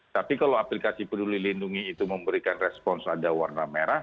tapi kalau aplikasi peduli lindungi itu memberikan respons ada warna merah